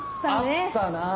あったな。